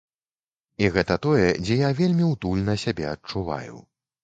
І гэта тое, дзе я вельмі утульна сябе адчуваю.